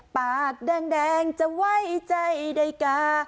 ปากแดงแดงจะไหวใจได้คะ